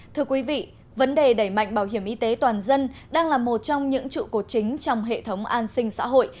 thưa quý vị vấn đề đẩy mạnh bảo hiểm y tế toàn dân đang là một trong những trụ cột chính trong hệ thống an sinh xã hội